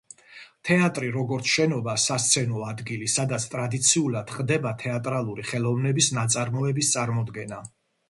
თეატრი, როგორც შენობა, სასცენო ადგილი, სადაც ტრადიციულად ხდება თეატრალური ხელოვნების ნაწარმოების წარმოდგენა.